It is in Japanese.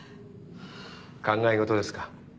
考え事ですか？